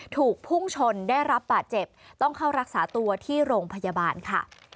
ถูกพุ่งชนได้รับบาดเจ็บต้องเข้ารักษาตัวที่โรงพยาบาลค่ะ